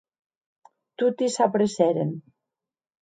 Toti s’apressèren.